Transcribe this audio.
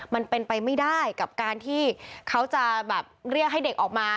มันเป็นไปไม่ได้กับการที่เขาจะแบบเรียกให้เด็กออกมา